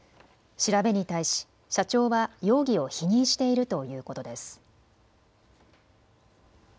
調べに対し社長は容疑を否認しているということです。